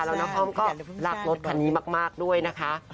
แล้วนครก็รักรถคันนี้มากด้วยนะคะ